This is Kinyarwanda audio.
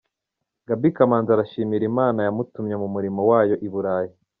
Gaby Kamanzi arashimira Imana yamutumye mu murimo wayo i Burayi.